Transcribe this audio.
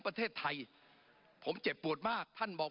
ปรับไปเท่าไหร่ทราบไหมครับ